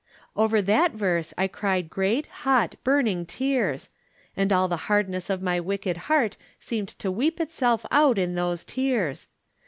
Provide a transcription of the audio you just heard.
Over that verse I cried great, hot, burning tears ; and all the hardness of my wicked heart seemed to weep itself out in those tears.